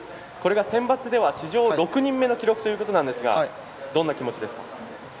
これがセンバツでは史上６人目の記録ということなんですがどんな気持ちですか？